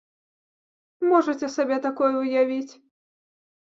Можаце сабе такое ўявіць!